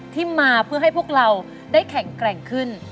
ที่มาเพื่อให้พวกเราได้แข็งแกร่งขึ้น